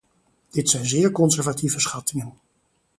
Dit zijn zeer conservatieve schattingen.